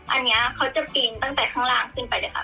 อันนี้เขาจะปีนตั้งแต่ข้างล่างขึ้นไปเลยค่ะ